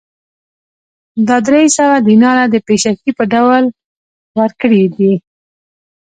دا درې سوه دیناره د پېشکي په ډول ورکړي دي